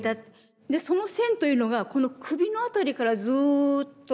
その線というのがこの首の辺りからずっと。